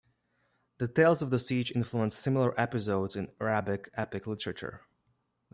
The tales of the siege influenced similar episodes in Arabic epic literature.